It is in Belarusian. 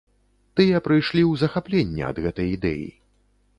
Тыя прыйшлі ў захапленне ад гэтай ідэі.